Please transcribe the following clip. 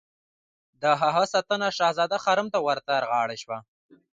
د هغه ساتنه شهزاده خرم ته ور تر غاړه شوه.